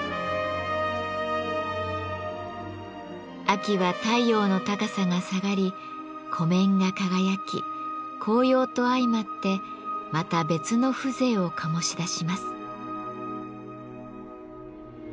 秋は太陽の高さが下がり湖面が輝き紅葉と相まってまた別の風情を醸し出します。